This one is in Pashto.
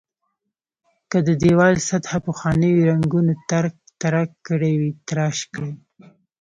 که د دېوال سطحه پخوانیو رنګونو ترک ترک کړې وي تراش کړئ.